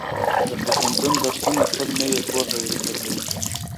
د پوهنتون درسونه تل نوې پوهه ورزده کوي.